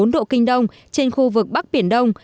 một trăm một mươi năm bốn độ kinh đông trên khu vực bắc biển đông